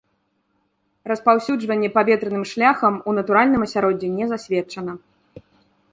Распаўсюджванне паветраным шляхам у натуральным асяроддзі не засведчана.